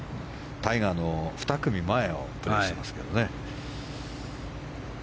タイガーの２組前をプレーしています。